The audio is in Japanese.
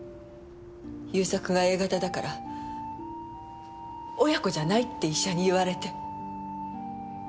勇作がＡ型だから「親子じゃない」って医者に言われて。